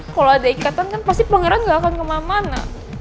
kalau ada ikatan kan pasti pangeran gak akan kemana mana